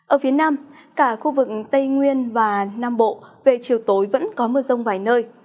ở phía nam cả khu vực tây nguyên và nam bộ về chiều tối vẫn có mưa rông vài nơi